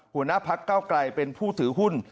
หัวหน้าพักเก้าไกลเป็นผู้ถือหุ้น